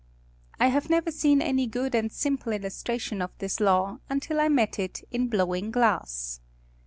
I have never seen any good and simple rilustralion of this law until I incl it in blowing glass.